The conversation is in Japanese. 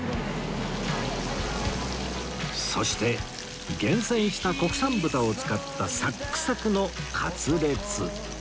そして厳選した国産豚を使ったサックサクのカツレツ